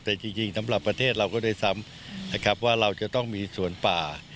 แต่จริงสำหรับประเทศเราก็ได้ซ้ำนะครับว่าเราจะต้องมีสวนป่า